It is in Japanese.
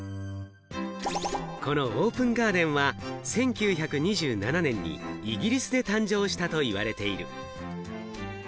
このオープンガーデンは１９２７年にイギリスで誕生したと言われている。